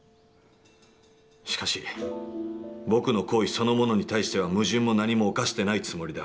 しかし僕の行為そのものに対しては矛盾も何も犯してないつもりだ」。